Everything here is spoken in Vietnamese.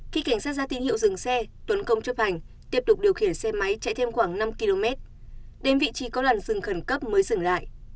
khi cảnh sát ra tín hiệu dừng xe tuấn công chấp hành tiếp tục điều khiển xe máy chạy thêm khoảng năm km đến vị trí có làn rừng khẩn cấp mới dừng lại